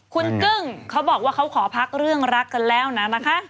คุณกึ้งเขาบอกว่าเขาขอพักเรื่องรักกันแล้วนะนะคะ